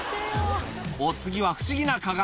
お次は不思議な鏡。